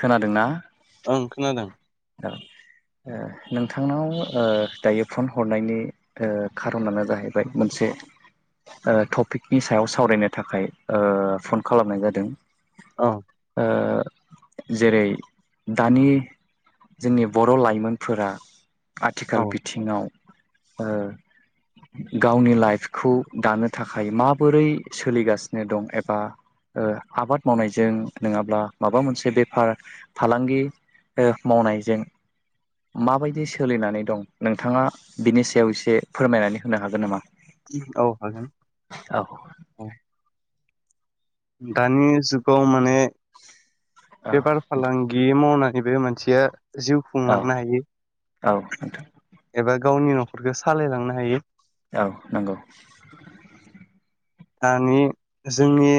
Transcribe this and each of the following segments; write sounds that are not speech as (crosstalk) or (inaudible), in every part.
खोनादोंना? ओं खोनादों। औ। ओ नोंथांनाव ओ दायो फन हरनायनि ओ खार'नानो जाहैबाय मोनसे ओ टपिकनि सायाव सावरायनो थाखाय ओ फन खालामनाय जादों। औ। ओ जेरै दानि जोंनि बर' लाइमोनफोरा औ आथिखाल बिथिङाव ओ गावनि लाइफखौ दानो थाखाय माबोरै सोलिगासिनो दं एबा ओ आबाद मावनायजों नंङाब्ला माबा मोनसे बेफार फालांगि ओ मावनायजों माबायदि सोलिनानै दं नोंथाङा बिनि सायाव एसे फोरमायनानै होनो हागोन नामा? औ हागोन औ। दानि जुगाव माने बेफार फालांगि मावनाय नैबो मानसिया जिउ औ खुंलांनो हायो औ नोंथां एबा गावनि न'खरखौ सालायलांनो हायो। औ नंगौ। दानि जोंनि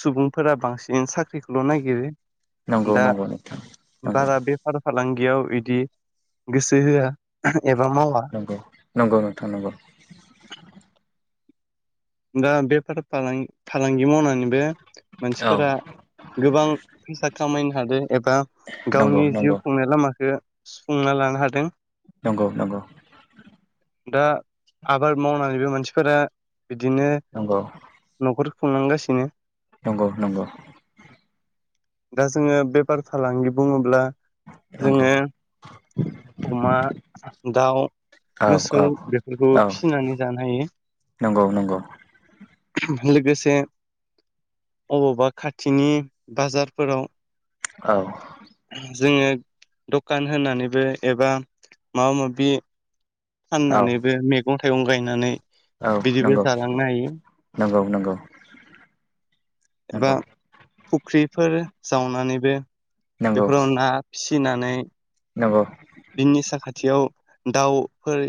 सुबुंफोरा बांसिन साख्रिखौल' नागिरो। नंगौ दा नंगौ नोंथां नंगौ बारा बेफार फालांगियाव इदि गोसो होआ। एबा मावा नंगौ नंगौ नोंथां नंगौ। दा बेफार फालां फालांगि मावनानैबो औ मानसिफोरा गोबां फैसा खामायनो हादो एबा नंगौ गावनि नंगौ जिउ खुंनाय लामाखो सुफुंना लानो हादों। नंगौ नंगौ। दा आबाद मावनानैबो मानसिफोरा बिदिनो नंगौ न'खर खुंनांगासिनो। नंगौ नंगौ। दा जोङो बेफार फालांगि बुंङोब्ला नंगौ जोङो अमा दाउ औ मोसौ औ बेफोरखौबो औ फिसिनानै जानो हायो। (inaudible) लोगोसे अबावबा खाथिनि बाजारफोराव औ जोङो दखान होनानैबो एबा माबा माबि औ फाननानैबो मैगं थाइगं गायनानै औ बिदिबो नंगौ जालांनो हायो नंगौ। नंगौ एबा नंगौ । फुख्रिफोर जावनानैबो नंगौ बेफोराव ना फिसिनानै नंगौ बिनि साखाथियाव दाउफोर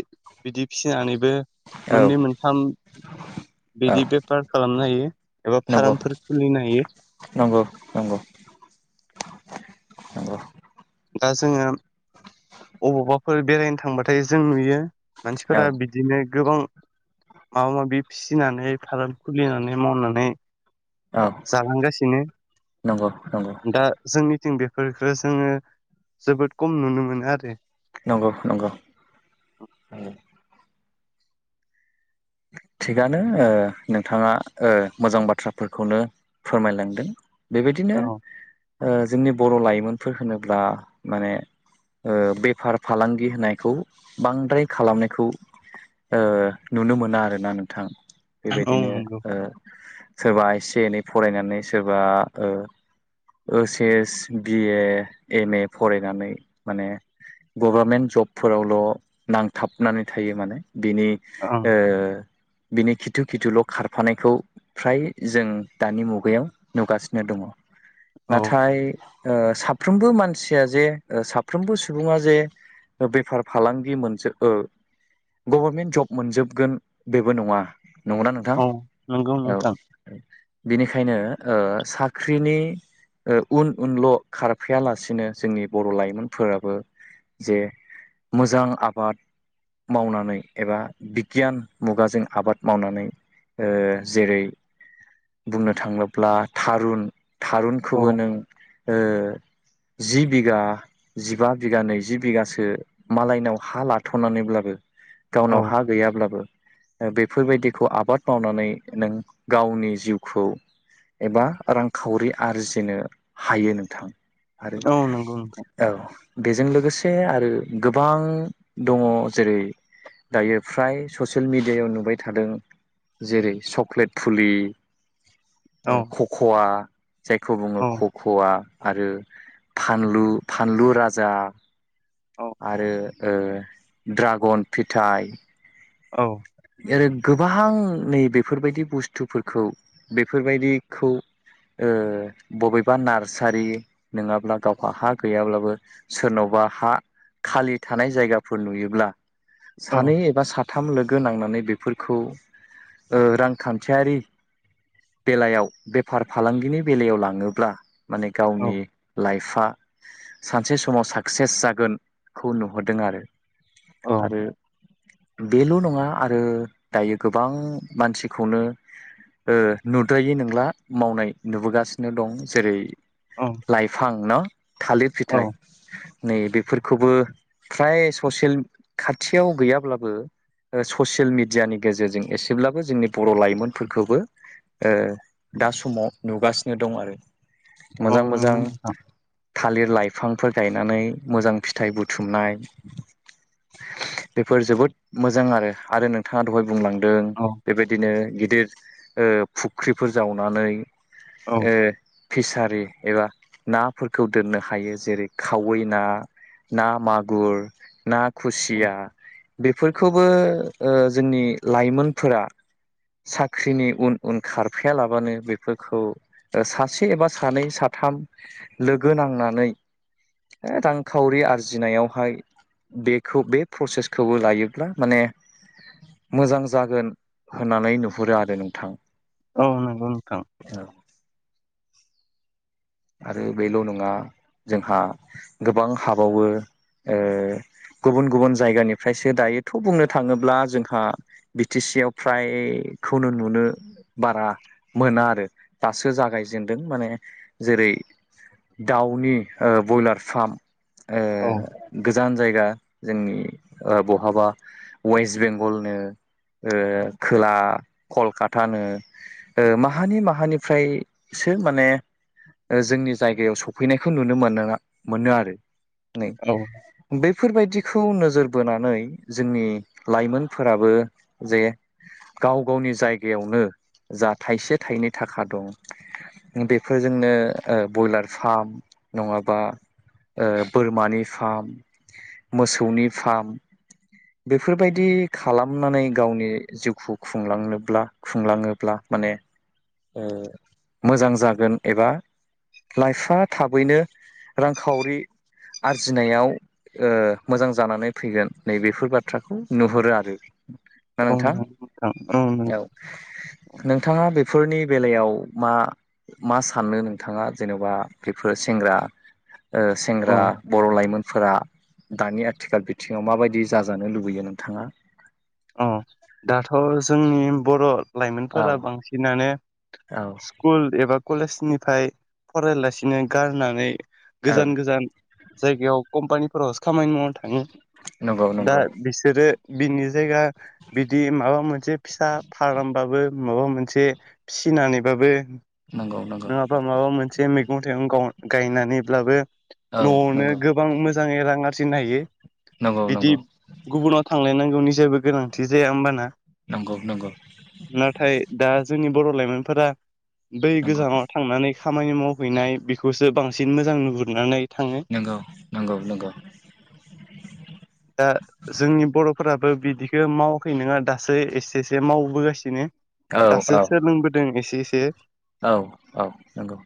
बिदि फिसिनानैबो औ मोननै मोनथाम बिदि बेफार खालामनो हायो एबा नंगौ फार्मफोर खुलिनो हायो। नंगौ नंगौ। (unintelligible) नंगौ। दा जोङो अबावबाफोर बेरायनो थांबाथाय जों नुयो मानसिफोरा बिदिनो गोबां माबा माबि फिनानै फार्म खुलिनानै मावनानै औ जालांगासिनो नंगौ नंगौ दा जोंनि थिं बेफोरफोरखो जोंङो जोबोद खम नुनो मोनो आरो। नंगौ नंगौ थिगानो ओ नोंथांङा ओ मोजां बाथ्राफोरखौनो फोरमायलांदों बेबायदिनो औ जोंनि बर' लाइमोनफोर होनोब्ला माने ओ बेफार -फालांगि होनायखौ बांद्राय खालामनायखौ ओ नुनो मोना आरोना नोंथां औ बेबायदिनो नंगौ ओ सोरबा एसे -एनै फरायनानै सोरबा ओ ओस S, B A, M A फरायनानै माने गभारमेन्ट जबफोरावल' नांथाबनानै थायो माने बिनि ओं ओ बिनि खिथु खिथुल' खारफानायखौ फ्राय जों दानि मुगायाव नुगासिनो दङ। औ नाथाय ओ साफ्रोमबो मानसिया जे साफ्रोमबो सुबुङा जे बेफार फालांगि मोनज गभर्मेन्ट जब मोनजोबगोन बेबो नङा । नंगौना नोंथां औ नंगौ नोंथां औ। बिनिखायनो ओ साख्रिनि उन उनल' खारफैायालासिनो जोंनि बर' लाइमोनफोराबो जे मोजां आबाद मावनानै एबा (unintelligible) मुगाजों आबाद मावनानै जेरै बुंनो थाङोब्ला थारुन औ थारुनखौबो नों ओ जि बिघा, जिबा बिगा, नैजि बिगासो मालायनाव हा लाथ'नानैब्लाबो औ गावनाव हा गैयाब्लाबो बेफोरबायदिखौ आबाद मावनानै नों गावनि जिउखौ एबा रांखावरि आरजिनो हायो नोंथां। आरो औ नंगौ नोंथां औ बेजों लोगोसे आरो गोबां दङ जेरै दायो फ्राय ससियेल मेडियाायाव नुबाय थादों जेरै चक्लेट फुलि औ खख'आ जायखौ बुङो औ खख'आ। आरो फानलु- फानलु राजा औ आरो ड्रागन फिथाइ औ। आरो गोबां नै बेफोरबायदि बुस्थुफोरखौ बेफोरबायदिखौ ओ बबेबा नार्सारि नङाब्ला गावहा हा गैयाब्लाबो सोरनावबा हा खालि थानाय जायगाफोर नुयोब्ला औ सानै एबा साथाम (unintelligible) (unintelligible) नांनानै बेफोरखौ रांखान्थियारि बेलायाव बेफार -फालांगिनि बेलायाव लाङोब्ला माने औ गावनि लाइफ (unintelligible) सानसे समाव साक्सेस जागोनखौ नुहरदों आरो । औ आरो बेल' नङा। आरो दायो गोबां मानसिखौनो ओ नुद्रायै नंला मावनाय नुबोगासिनो दं जेरै औ लाइफां न' थालिर औ फिथाइ नै बेफोरखौबो फ्राय ससियेल खाथियाव गैयाब्लाबो ससियेल मिडियानि गेजेरजों एसेब्लाबो जोंनि बर' लाइमोनफोरखौबो ओ दा समाव नुगासिनो दं आरो। औ मोजां नंगौ मोजां नोंथां। थालिर लाइफांफोर गायनानै मोजां फिथाइ बुथुमनाय। बेफोर जोबोद मोजां आरो आरो नोंथाङा दहाय बुंलांदों औ बेबायदिनो गिदिर ओ फुख्रिफोर जावनानै औ ओ फिसारि एबा नाफोरखौ दोननो हायो जेरै खावै ना ना मागुर, ना औ खुसिया बेफोर (unintelligible) जोंनि लाइमोनफोरा साख्रिनि उन -उन खारफायालाबानो बेफोरखौ सासे एबा सानै सा थाम लोगो नांनानै रांखावरि आरजिनायावहाय बेखौ बे प्रसेसखौबो लायो माने मोजां जागोन होननानै नुहुरो आरो नोंथां । औ नंगौ नोंथां आरो बेल' नङा जोंहा गोबां हाबावो गुबुन गुबुन जायगानिफ्रायसो दायोथ' बुंनो थाङोब्ला जोंहा बि टि सि आव फ्राय खौनो नुनो बारा मोना आरो दासो जागायजेनदों माने जेरै दाउनि ब्रयलार फार्म औ गोजान जायगा जोंनि बहाबा वेस्ट बेंगलनो खोला कलकातानो माहानि माहानिफ्राय माने जोंनि जायगायाव सफैनायखौ नुनो मोन मोनो आरो नै औ बे- फोरबायदिखौ नोजोर बोनानै जोंनि लाइमोनफोराबो जे गाव गावनि जायगायावनो जा थाइसे थाइनै थाखा दं बेफोर बे जोंनो ब्रयलार फार्म नङाबा बोरमानि फार्म मोसौनि फार्म बेफोरबायदि खालामनानै गावनि जिउखौ खुंलांनोब्ला खुंलाङोब्ला माने मोजां जागोन एबा लाइफआ थाबैनो रांखावरि आरजिनायाव ओ मोजां जानानै फैगोन नैबेफोर बाथ्राखौ नुहुरो आरो ना औ नोंथां नंगौ नोंथां नंगौ औ नोंथाङा बे फोरनि बेलायाव मा मा साननो नोंथाङा जेन'बा बेफोर सेंग्रा ओ औ सेंग्रा बर' लाइमोन- फोरा दानि आथिखाल बिथिङाव माबायदि जाजानो लुबैयो नोंथाङा। औ दाथ' जोंनि बर' औ लाइमोनफोरा बांसिनानो औ स्कुल एबा कलेजनिफ्राय फरायालासिनो गारनानै औ गोजान गोजान जायगायाव कम्पानिफोरावसो खामानि मावनो थाङो नंगौ दा नंगौ बिसोरो बिनि जायगा बिदि माबा मोनसे फिसा फार्म बाबो माबा मोनसे फिनानै- बाबो नंगौ नंगौ नङाबा माबा मोनसे मैगं थाइगं गं गायनानैब्लाबो औ न'आवनो नंगौ गोबां मोजाङै रांआर- जिनो हायो नंगौ बिदि नंगौ गुबुनाव थांलायनांगौनि जेबो गोनांथि जाया होमबाना नंगौ नंगौ नाथाय दा जोंनि बर' लाइमोनफोरा बै नंगौ गोजानाव थांनानै खामानि मावहैनाय बेखौसो बांसिन मोजां नुहुरनानै थाङो नंगौ नंगौ नंगौ दा जोंनि बर'फोराबो बिदिखौ माव- फै नंङा दासो एसे एसे मावबोगासिनो औ दासो सोलोंबोदों एसे एसे औ-औ नंगौ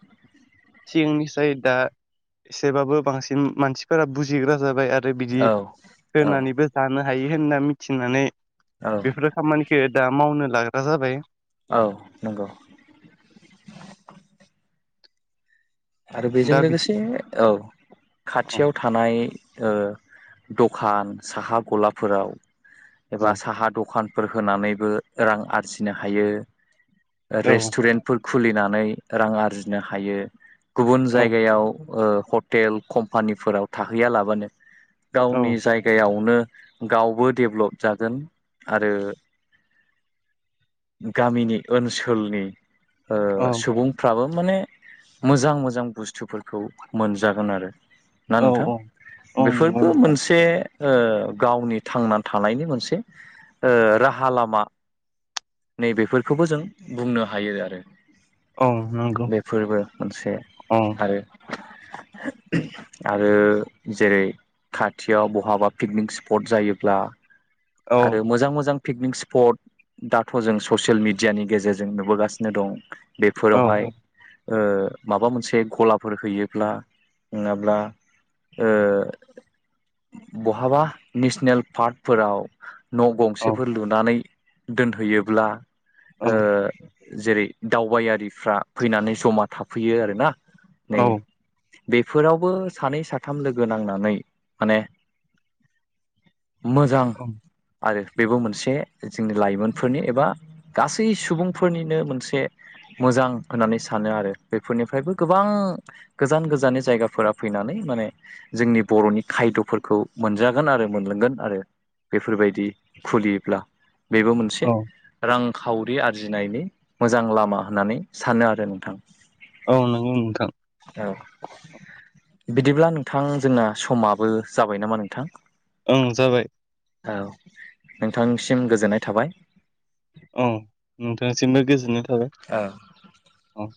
सिगांनिफ्राय दा एसेबाबो बांसिन मानसिफोरा बुजिग्रा जाबाय आ रो बिदि औ औ होननानैबो जानो हायो होनना मिथिनानै औ बेफोरो खामानिखो दा मावनो लाग्रा जाबाय औ नंगौ आरो बेजों दा बि लोगोसे औ औ खाथियाव थानाय ओ दखान साहा गलाफोराव एबा औ साहा दखान फोर होनानैबो रां आरजिनो हायो औ रेस्टुरेन्टफो र खुलिनानै रां आरजिनो हायो गुबुन औ जायगायाव ओ हटेल कम्पानिफोराव थाहैयालाबानो गावनि औ जायगायावनो गावबो डेबलप जागोन आरो गामिनि ओनसोलनि ओ औ सुबुंफ्राबो माने मोजां मोजां बुस्थुफोरखौ मोनजागोन आरो ना औ नोंथां औ औ नंगौ बेफोरबो नोंथां मोनसे ओ गावनि थांना थानायनि मोनसे ओ राहा लामा नै बेेफोरखौबो जों बुंनो हायो आरो औ नंगौ। बेफोरबो मोनसे औ आरो आरो जेरै खाथियाव बहाबा पिकनिक स्पट जायोब्ला औ आरो मोजां मोजां पिकनिक स्पट दाथ' जों ससियेल मिडियानि गेजेरजों नुबोगासिनो दं। औ बेफोरावहाय ओ माबा मोनसे गलाफोर हैयोब्ला नङाब्ला। ओ बहाबा नेसनेल पार्कफोराव न' औ गंसेफोर लुनानै दोनहैयोब्ला ओ औ जेरै दावबायारिफ्रा फैनानै जमा थाफैयो आरोना। नै औ बेफोरावबो सानै साथाम लोगो नांनानै माने मोजां (unintelligible) आरो बेबो मोनसे जोंनि लाइमोनफोरनि एबा गासै सुबुंफोरनिनो मोनसे मोजां होननानै सानो आरो बेफोरनिफ्रायबो गोबां गोजान गोजाननि जायगाफोरा फैनानै माने जोंनि बर'नि खायद'फोरखौ मोनजागोन आरो मोनलोंगोन आरो बेफोरबायदि खुलियोब्ला बेबो मोनसे औ रां खावरि आरजिनायनि मोजां लामा होननानै सानो आरो नोंथां। औ नंगौ नोंथां। औ बिदिब्ला नोंथां जोंना समाबो जाबाय नामा नोंथां। ओं जाबाय। औ नोंथांनिसिम गोजोननाय थाबाय। ओम नोंथांनिसिमबो गोजोननाय थाबाय औ ओ।